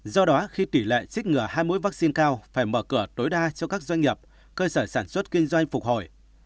do đó khi tỷ lệ trích ngừa hai mũi vaccine cao phải mở cửa tối đa cho các doanh nghiệp cơ sở sản xuất kinh doanh phục hồi